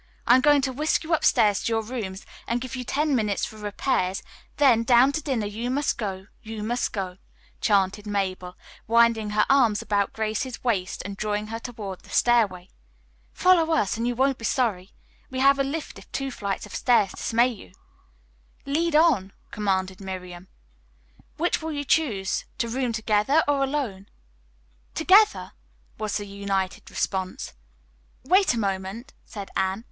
I am going to whisk you upstairs to your rooms, and give you ten minutes for repairs, then, 'down to dinner you must go, you must go,'" chanted Mabel, winding her arm about Grace's waist and drawing her toward the stairway. "Follow us and you won't be sorry. We have a lift if two flights of stairs dismay you." "Lead on," commanded Miriam. "Which will you choose, to room together or alone?" "Together!" was the united response. "Wait a moment," said Anne.